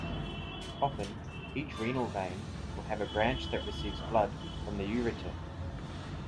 Often, each renal vein will have a branch that receives blood from the ureter.